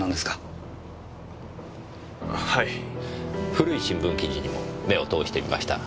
古い新聞記事にも目を通してみました。